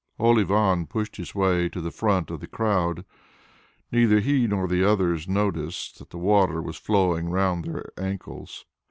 Old Ivan pushed his way to the front of the crowd. Neither he nor the others noticed that the water was flowing round their ankles.